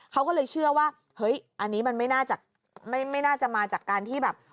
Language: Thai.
เขาก็เลยเชื่อว่าอันนี้มันไม่น่าจะมาจากการที่แบบ